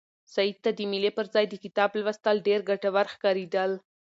سعید ته د مېلې پر ځای د کتاب لوستل ډېر ګټور ښکارېدل.